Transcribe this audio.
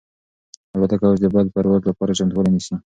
الوتکه اوس د بل پرواز لپاره چمتووالی نیسي.